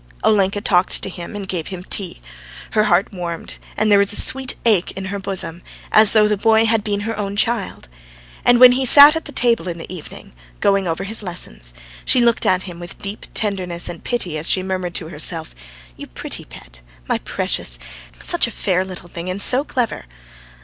Olenka talked to him, and gave him tea. Her heart warmed and there was a sweet ache in her bosom, as though the boy had been her own child. And when he sat at the table in the evening, going over his lessons, she looked at him with deep tenderness and pity as she murmured to herself: "You pretty pet! ... my precious! ... Such a fair little thing, and so clever."